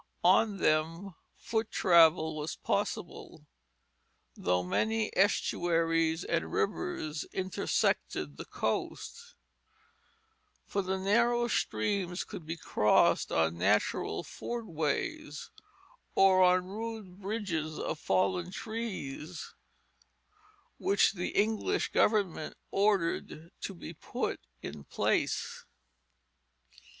On them foot travel was possible, though many estuaries and rivers intersected the coast; for the narrow streams could be crossed on natural ford ways, or on rude bridges of fallen trees, which the English government ordered to be put in place.